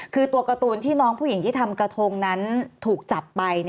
คือตัวการ์ตูนที่น้องผู้หญิงที่ทำกระทงนั้นถูกจับไป